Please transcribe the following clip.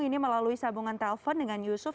ini melalui sambungan telepon dengan yusuf